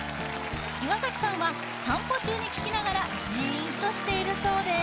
岩さんは散歩中に聴きながらジーンとしているそうです